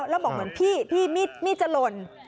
แล้วบอกเหมือนพี่พี่มีดจะหล่น